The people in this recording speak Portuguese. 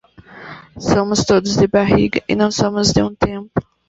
Somos todos de barriga e não somos de um "templo".